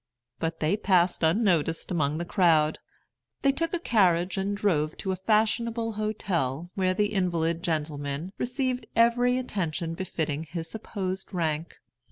But they passed unnoticed among the crowd. They took a carriage and drove to a fashionable hotel, where the invalid gentleman received every attention befitting his supposed rank.